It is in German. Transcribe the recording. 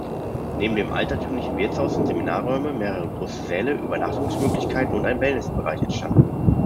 Neben dem altertümlichen Wirtshaus sind Seminarräume, mehrere große Säle, Übernachtungsmöglichkeiten und ein Wellnessbereich entstanden.